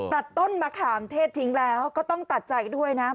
ตัดต้นมะขามเทศทิ้งแล้วก็ต้องตัดใจด้วยนะ